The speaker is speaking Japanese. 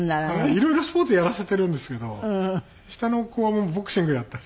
いろいろスポーツやらせてるんですけど下の子はボクシングをやったり。